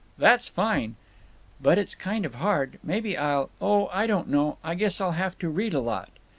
"That's fine!" "But it's kind of hard. Maybe I'll—Oh, I don't know. I guess I'll have to read a lot."